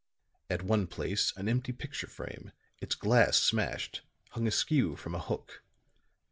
At one place an empty picture frame, its glass smashed, hung askew from a hook.